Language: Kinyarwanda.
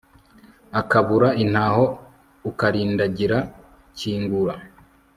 ukabura intaho ukarindagira, kingura